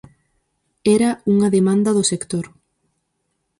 Era unha demanda do sector.